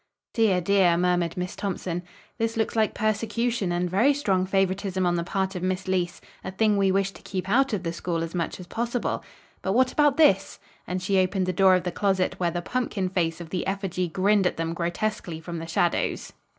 "Dear, dear," murmured Miss Thompson, "this looks like persecution and very strong favoritism on the part of Miss Leece. A thing we wish to keep out of the school as much as possible. But what about this!" and she opened the door of the closet where the pumpkin face of the effigy grinned at them grotesquely from the shadows.